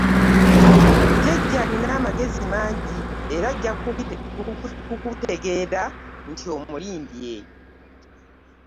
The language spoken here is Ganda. Jjajja alina amagezi mangi era ajja kukutegeera nti omulimbye.